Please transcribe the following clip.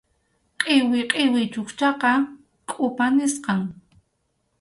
Qʼiwi qʼiwi chukchaqa kʼupa nisqam.